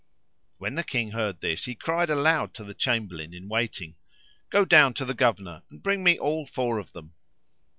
When the King heard this he cried aloud to the Chamberlain in waiting, "Go down to the Governor and bring me all four of them."